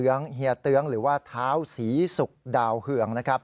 เหยียเตื้องหรือว่าท้าวสีศุกร์ดาวเหลือง